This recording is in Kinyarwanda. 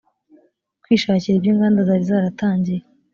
kwishakira ibyo inganda zari zaratangiye